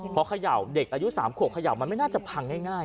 พอเขย่าเด็กอายุ๓ขวบเขย่ามันไม่น่าจะพังง่าย